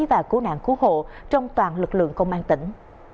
và cứu nạn cứu hộ trong toàn lực lượng công an tỉnh